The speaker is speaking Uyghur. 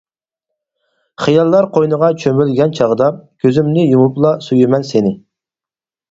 خىياللار قوينىغا چۆمۈلگەن چاغدا، كۈزۈمنى يۇمۇپلا سۆيىمەن سىنى.